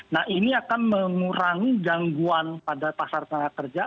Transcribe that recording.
nah ini akan mengurangi gangguan pada pasar tenaga kerja